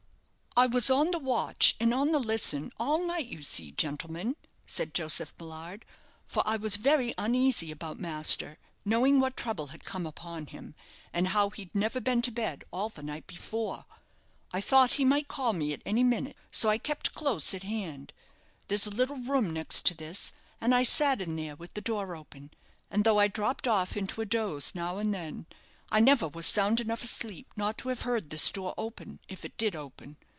"I was on the watch and on the listen all night, you see, gentlemen," said Joseph Millard; "for I was very uneasy about master, knowing what trouble had come upon him, and how he'd never been to bed all the night before. I thought he might call me at any minute, so I kept close at hand. There's a little room next to this, and I sat in there with the door open, and though I dropped off into a doze now and then, I never was sound enough asleep not to have heard this door open, if it did open.